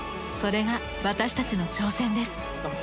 それが私たちの挑戦です。